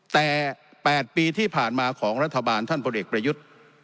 แต่๘ปีที่ผ่านมาของรัฐบาลท่านพลเอกประยุทธ์